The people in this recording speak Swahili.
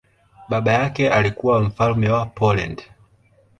Baba yake alikuwa mfalme wa Poland.